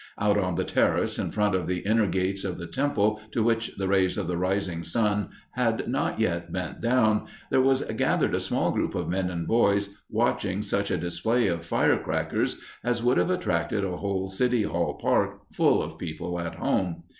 Out on the terrace in front of the inner gates of the temple, to which the rays of the rising sun had not yet bent down, there was gathered a small group of men and boys watching such a display of firecrackers as would have attracted a whole City Hall Park full of people at home.